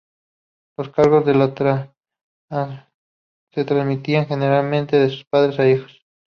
Los cargos se transmitían, generalmente, de padres a hijos.